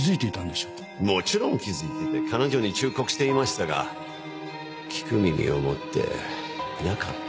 もちろん気づいていて彼女に忠告していましたが聞く耳を持っていなかった。